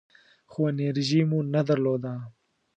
خو انرژي مو نه درلوده .